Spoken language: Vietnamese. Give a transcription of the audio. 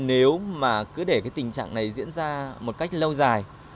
nếu mà cứ để cái tình trạng này diễn ra một cách lâu dài